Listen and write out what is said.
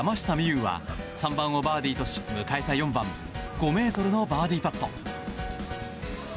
有は３番をバーディーとし迎えた４番５ｍのバーディーパット。